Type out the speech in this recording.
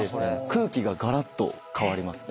空気ががらっと変わりますね。